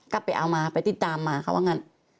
ก็ไปเอามาไปติดตามมาเขาว่างั้น